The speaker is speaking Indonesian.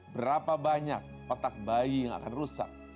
berapa banyak otak bayi yang akan rusak